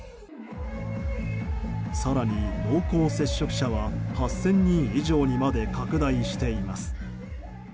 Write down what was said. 更に濃厚接触者は８０００人以上にまで拡大しています。